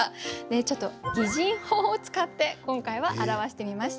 ちょっと擬人法を使って今回は表してみました。